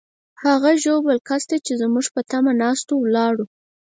هغه ژوبل کس ته چې زموږ په تمه ناست وو، ولاړو.